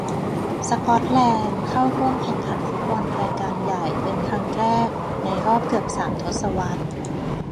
สกอตแลนด์ เข้าร่วมแข่งขันฟุตบอลรายการใหญ่เป็นครั้งแรกในรอบเกือบสามทศวรรษ